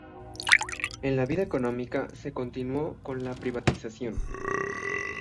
En la vida económica, se continuó con la privatización.